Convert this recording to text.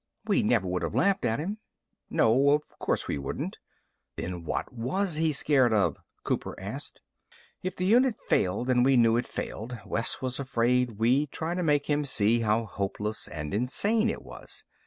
We never would have laughed at him." "No. Of course we wouldn't." "Then what was he scared of?" Cooper asked. "If the unit failed and we knew it failed, Wes was afraid we'd try to make him see how hopeless and insane it was.